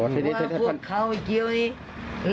เพราะว่าพวกเขาเกี่ยวนี้